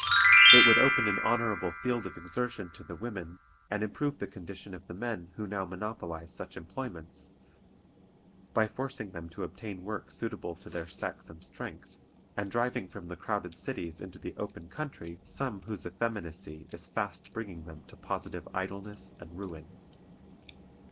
It would open an honorable field of exertion to the women, and improve the condition of the men who now monopolize such employments, by forcing them to obtain work suitable to their sex and strength, and driving from the crowded cities into the open country some whose effeminacy is fast bringing them to positive idleness and ruin.